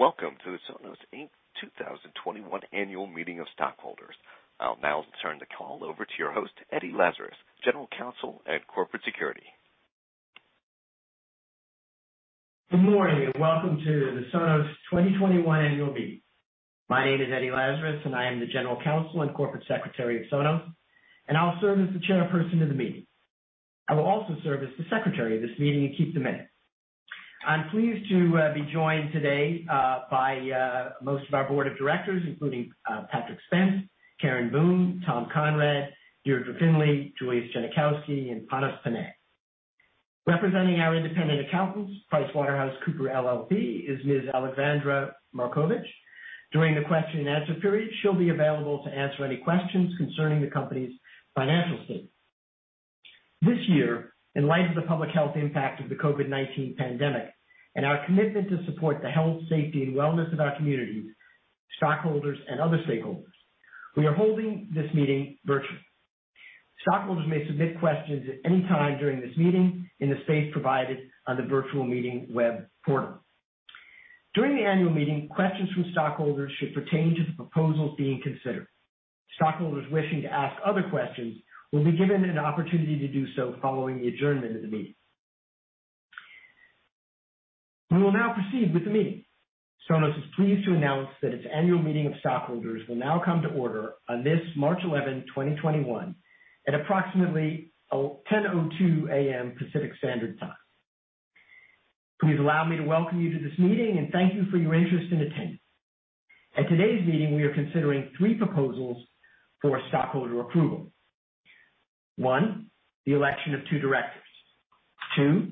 Welcome to the Sonos, Inc 2021 Annual Meeting of Stockholders. I'll now turn the call over to your host, Eddie Lazarus, General Counsel and Corporate Secretary. Good morning, and welcome to the Sonos 2021 Annual Meeting. My name is Eddie Lazarus, and I am the General Counsel and Corporate Secretary of Sonos, and I'll serve as the Chairperson of the meeting. I will also serve as the Secretary of this meeting and keep the minutes. I'm pleased to be joined today by most of our Board of Directors, including Patrick Spence, Karen Boone, Tom Conrad, Deirdre Findlay, Julius Genachowski, and Panos Panay. Representing our independent accountants, PricewaterhouseCoopers LLP, is Ms. Aleksandra Markovic. During the question and answer period, she'll be available to answer any questions concerning the company's financial statements. This year, in light of the public health impact of the COVID-19 pandemic and our commitment to support the health, safety, and wellness of our communities, stockholders, and other stakeholders, we are holding this meeting virtually. Stockholders may submit questions at any time during this meeting in the space provided on the virtual meeting web portal. During the annual meeting, questions from stockholders should pertain to the proposals being considered. Stockholders wishing to ask other questions will be given an opportunity to do so following the adjournment of the meeting. We will now proceed with the meeting. Sonos is pleased to announce that its annual meeting of stockholders will now come to order on this March 11, 2021, at approximately 10:02 A.M. Pacific Standard Time. Please allow me to welcome you to this meeting and thank you for your interest in attending. At today's meeting, we are considering three proposals for stockholder approval. One, the election of two Directors. Two,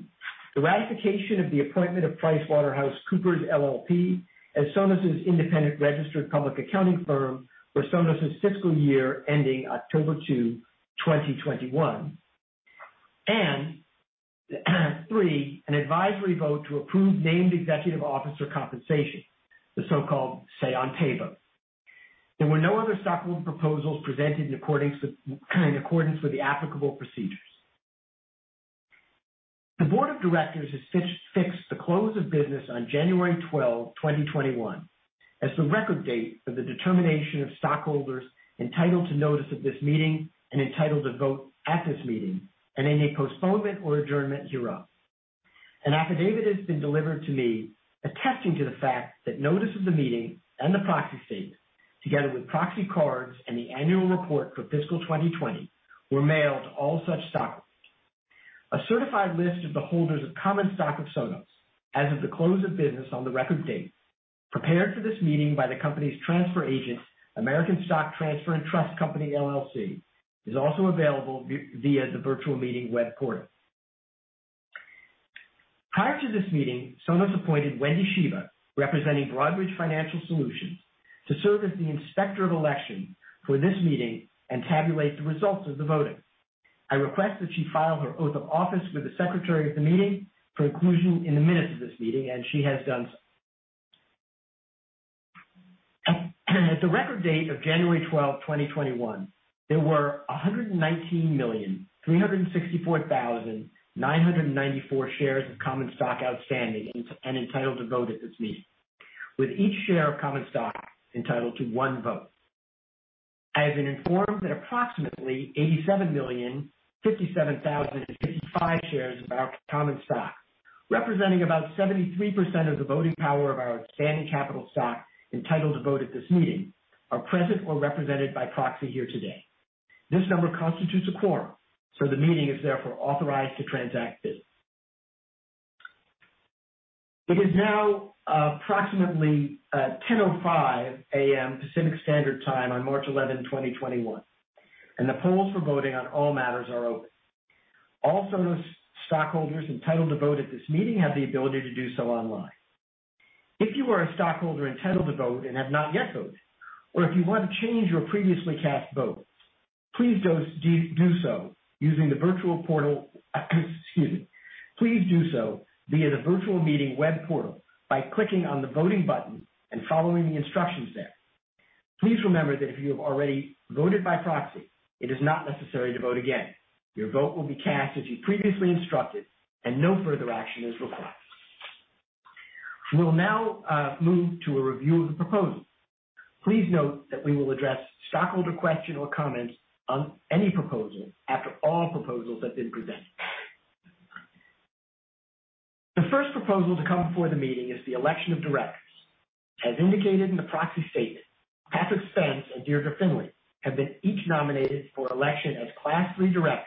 the ratification of the appointment of PricewaterhouseCoopers LLP as Sonos' independent registered public accounting firm for Sonos' fiscal year ending October 2, 2021. Three, an advisory vote to approve named executive officer compensation, the so-called say on pay vote. There were no other stockholder proposals presented in accordance with the applicable procedures. The Board of Directors has fixed the close of business on January 12, 2021, as the record date for the determination of stockholders entitled to notice of this meeting and entitled to vote at this meeting and any postponement or adjournment hereof. An affidavit has been delivered to me attesting to the fact that notice of the meeting and the proxy statement, together with proxy cards and the annual report for fiscal 2020, were mailed to all such stockholders. A certified list of the holders of common stock of Sonos as of the close of business on the record date prepared for this meeting by the company's transfer agent, American Stock Transfer & Trust Company, LLC, is also available via the virtual meeting web portal. Prior to this meeting, Sonos appointed Wendy Shiba, representing Broadridge Financial Solutions, to serve as the Inspector of Election for this meeting and tabulate the results of the voting. I request that she file her oath of office with the Secretary of the meeting for inclusion in the minutes of this meeting, and she has done so. At the record date of January 12, 2021, there were 119,364,994 shares of common stock outstanding and entitled to vote at this meeting, with each share of common stock entitled to one vote. I have been informed that approximately 87,057,055 shares of our common stock, representing about 73% of the voting power of our outstanding capital stock entitled to vote at this meeting, are present or represented by proxy here today. This number constitutes a quorum, so the meeting is therefore authorized to transact business. It is now approximately 10:05 A.M. Pacific Standard Time on March 11, 2021, and the polls for voting on all matters are open. All Sonos stockholders entitled to vote at this meeting have the ability to do so online. If you are a stockholder entitled to vote and have not yet voted, or if you want to change your previously cast votes, please do so using the virtual portal, excuse me. Please do so via the virtual meeting web portal by clicking on the voting button and following the instructions there. Please remember that if you have already voted by proxy, it is not necessary to vote again. Your vote will be cast as you previously instructed, and no further action is required. We will now move to a review of the proposals. Please note that we will address stockholder questions or comments on any proposal after all proposals have been presented. The first proposal to come before the meeting is the election of Directors. As indicated in the proxy statement, Patrick Spence and Deirdre Findlay have been each nominated for election as Class III Directors,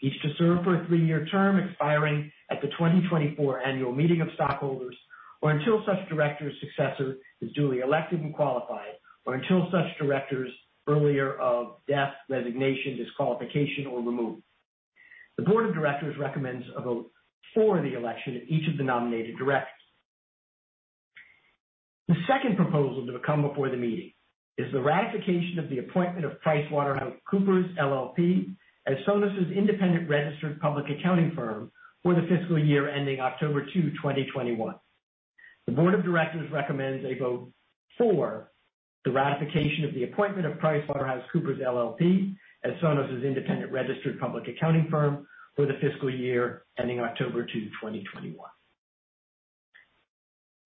each to serve for a three-year term expiring at the 2024 annual meeting of stockholders, or until such Director's successor is duly elected and qualified, or until such Director's earlier of death, resignation, disqualification, or removal. The Board of Directors recommends a vote for the election of each of the nominated Directors. The second proposal to come before the meeting is the ratification of the appointment of PricewaterhouseCoopers, LLP, as Sonos' independent registered public accounting firm for the fiscal year ending October 2, 2021. The Board of Directors recommends a vote for the ratification of the appointment of PricewaterhouseCoopers, LLP as Sonos' independent registered public accounting firm for the fiscal year ending October 2, 2021.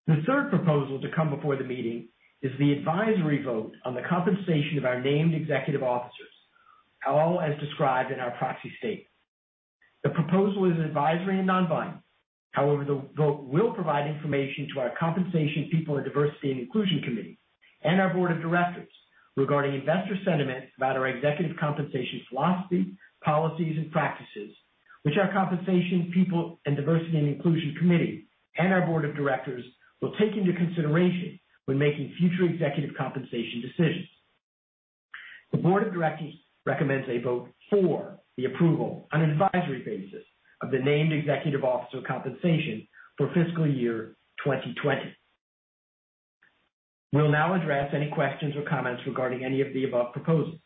The third proposal to come before the meeting is the advisory vote on the compensation of our named executive officers, all as described in our proxy statement. The proposal is advisory and non-binding. However, the vote will provide information to our Compensation, People, and Diversity and Inclusion Committee and our Board of Directors regarding investor sentiment about our executive compensation philosophy, policies, and practices, which our Compensation, People, and Diversity and Inclusion Committee and our Board of Directors will take into consideration when making future executive compensation decisions. The Board of Directors recommends a vote for the approval on an advisory basis of the named executive officer compensation for fiscal year 2020. We'll now address any questions or comments regarding any of the above proposals.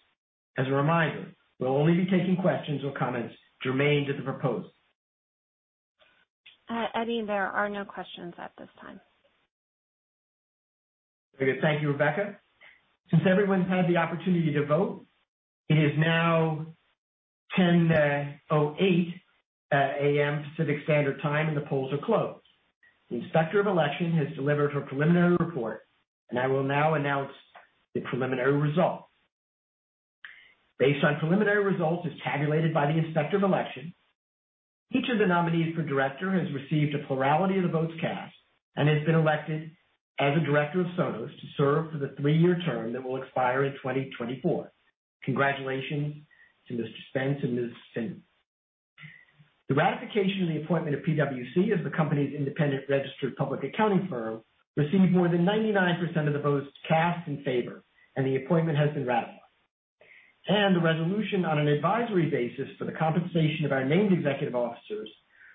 As a reminder, we'll only be taking questions or comments germane to the proposals. Eddie, there are no questions at this time. Very good. Thank you, Rebecca. Since everyone's had the opportunity to vote, it is now 10:08 A.M. Pacific Standard Time. The polls are closed. The Inspector of Election has delivered her preliminary report. I will now announce the preliminary results. Based on preliminary results as tabulated by the Inspector of Election, each of the nominees for Director has received a plurality of the votes cast and has been elected as a Director of Sonos to serve for the three-year term that will expire in 2024. Congratulations to Mr. Spence and Ms. Findlay. The ratification of the appointment of PwC as the company's independent registered public accounting firm received more than 99% of the votes cast in favor, and the appointment has been ratified. The resolution on an advisory basis for the compensation of our named executive officers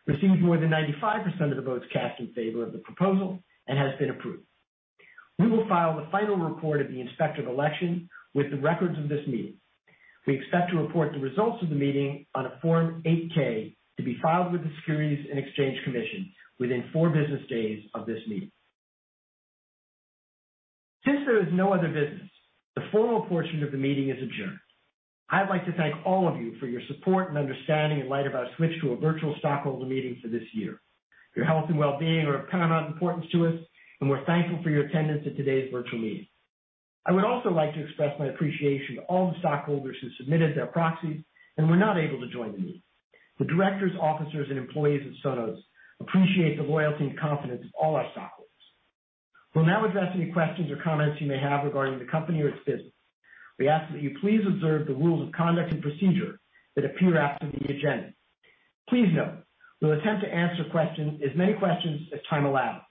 received more than 95% of the votes cast in favor of the proposal and has been approved. We will file the final report of the Inspector of Election with the records of this meeting. We expect to report the results of the meeting on a Form 8-K to be filed with the Securities and Exchange Commission within four business days of this meeting. Since there is no other business, the formal portion of the meeting is adjourned. I'd like to thank all of you for your support and understanding in light of our switch to a virtual stockholder meeting for this year. Your health and well-being are of paramount importance to us, and we're thankful for your attendance at today's virtual meeting. I would also like to express my appreciation to all the stockholders who submitted their proxies and were not able to join the meeting. The Directors, officers, and employees of Sonos appreciate the loyalty and confidence of all our stockholders. We'll now address any questions or comments you may have regarding the company or its business. We ask that you please observe the rules of conduct and procedure that appear after the agenda. Please note, we'll attempt to answer as many questions as time allows,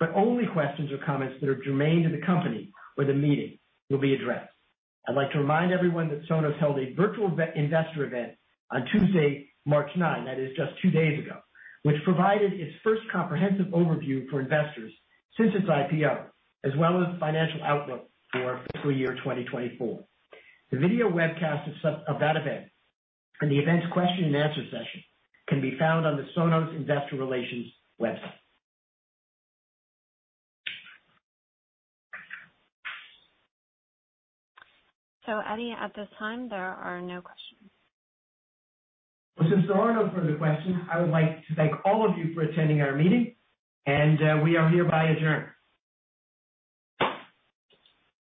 but only questions or comments that are germane to the company or the meeting will be addressed. I'd like to remind everyone that Sonos held a Virtual Investor Event on Tuesday, March 9, that is just two days ago, which provided its first comprehensive overview for investors since its IPO, as well as financial outlook for our fiscal year 2024. The video webcast of that event and the event's question and answer session can be found on the Sonos investor relations website. Eddie, at this time, there are no questions. Since there are no further questions, I would like to thank all of you for attending our meeting, and we are hereby adjourned.